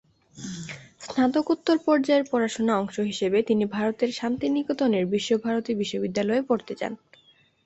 স্নাতকোত্তর পর্যায়ের পড়াশোনার অংশ হিসেবে তিনি ভারতের শান্তিনিকেতনের বিশ্বভারতী বিশ্ববিদ্যালয়ে পড়তে যান।